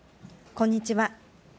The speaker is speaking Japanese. こんにちは。